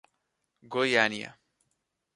Goiânia